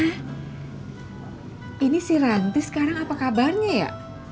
nah ini si rantis sekarang apa kabarnya ya